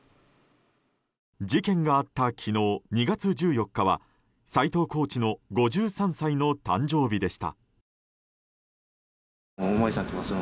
事件があった昨日２月１４日は斎藤コーチの５３歳の誕生日でした。